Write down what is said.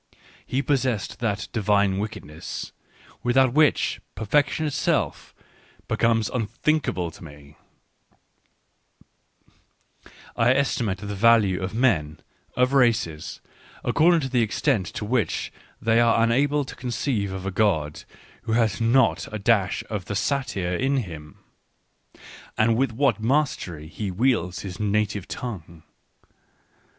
He possessed that divine wickedness, without which perfection itself becomes unthinkable to me, — I estimate the value of men, of races, according to the extent to which they are unable to conceive of a god who has not a dash of the satyr in him. And with what mastery he wields his native tongue